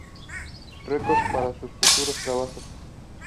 Records para sus futuros trabajos.